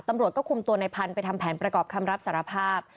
ตำรวจก็คุมตัวในพันธุ์ไปทำแผนประกอบคำรับสารภาพ